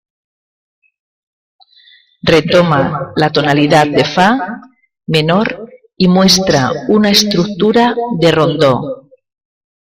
Retoma la tonalidad de Fa menor y muestra una estructura de rondó.